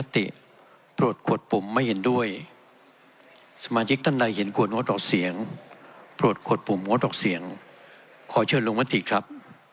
ท่านธรรมชิกพร้อมนะครับ